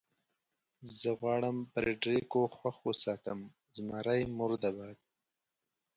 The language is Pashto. زه غواړم فرېډرېکو خوښ وساتم، زمري مرده باد.